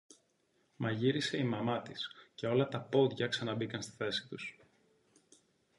Μα γύρισε η μαμά της, και όλα τα πόδια ξαναμπήκαν στη θέση τους